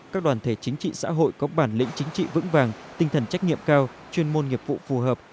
các đoàn thể chính trị xã hội có bản lĩnh chính trị vững vàng tinh thần trách nhiệm cao chuyên môn nghiệp vụ phù hợp